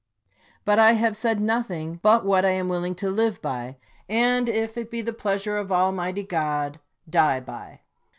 ] But I have said noth ing but what I am willing to live by, and, if it be the pleasure of Almighty God, die by.